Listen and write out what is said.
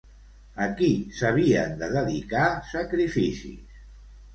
A qui s'havien de dedicar sacrificis?